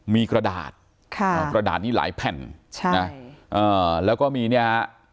มีกระดาษค่ะกระดาษนี้หลายแผ่นใช่นะอ่าแล้วก็มีเนี่ยฮะ